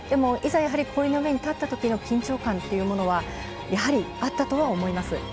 いざ、氷の上に立ったときの緊張感というのはやはり、あったとは思います。